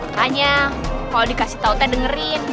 tanya kalo dikasih tau teh dengerin